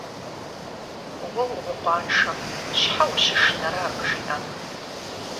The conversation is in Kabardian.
Уэ умыкъуаншэм щхьэ ущышынэрэ абы жиӀэнум?